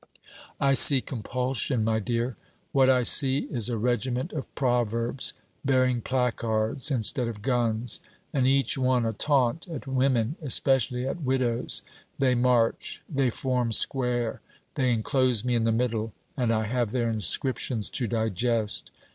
'I see compulsion, my dear. What I see, is a regiment of Proverbs, bearing placards instead of guns, and each one a taunt at women, especially at widows. They march; they form square; they enclose me in the middle, and I have their inscriptions to digest.